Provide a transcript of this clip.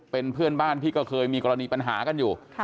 เป็นเพื่อนบ้านที่ก็เคยมีกรณีปัญหากันอยู่